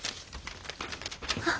あっ。